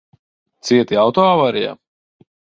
Cieti auto avārijā?